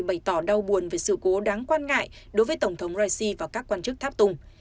bày tỏ đau buồn về sự cố đáng quan ngại đối với tổng thống raisi và các quan chức tháp tùng